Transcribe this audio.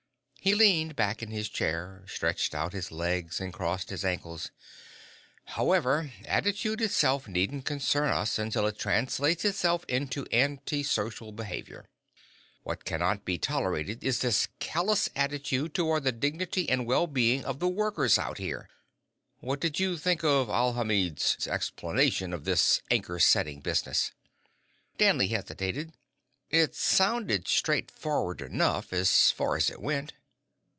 He leaned back in his chair, stretched out his legs, and crossed his ankles. "However, attitude itself needn't concern us until it translates itself into anti social behavior. What cannot be tolerated is this callous attitude toward the dignity and well being of the workers out here. What did you think of Alhamid's explanation of this anchor setting business?" Danley hesitated. "It sounded straightforward enough, as far as it went."